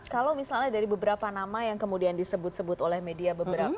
kalau misalnya dari beberapa nama yang kemudian disebut sebut oleh media beberapa